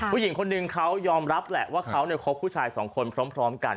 ผู้หญิงคนนึงเขายอมรับแหละว่าเขาคบผู้ชายสองคนพร้อมกัน